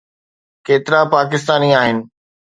ڪيترا پاڪستاني آهن؟